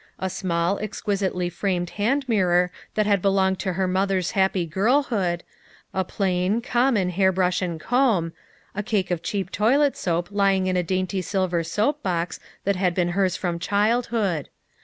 A small, exquisitely framed band mirror that bad belonged to her mother's happy girlhood; a plain, common hair brush and comb, a cake of cheap toilet soap lying in a dainty silver soap box that had been hers from childhood.